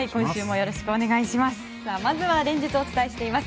よろしくお願いします。